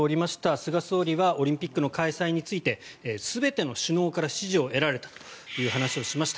菅総理はオリンピックの開催について全ての首脳から支持を得られたという話をしました。